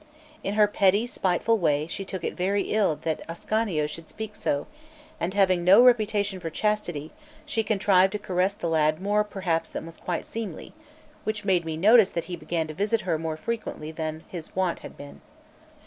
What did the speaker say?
In her petty spiteful way she took it very ill that Ascanio should speak so; and having no reputation for chastity, she contrived to caress the lad more perhaps than was quite seemly, which made me notice that he began to visit her more frequently than his wont had been.